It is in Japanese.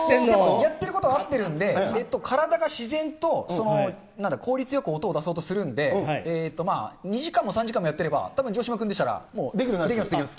やってることは合ってるんで、体が自然と効率よく音を出そうとするんで、２時間も３時間もやってれば、たぶん城島くんでしたらできます、できます。